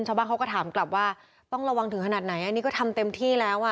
ชาวบ้านเขาก็ถามกลับว่าต้องระวังถึงขนาดไหนอันนี้ก็ทำเต็มที่แล้วอ่ะ